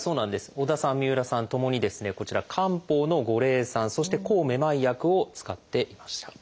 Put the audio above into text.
織田さん三浦さんともにこちら漢方の五苓散そして抗めまい薬を使っていました。